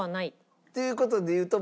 っていう事で言うと。